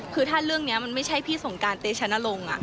คือถ้าเรื่องนี้มันไม่ใช่พี่สงการเตชนรงค์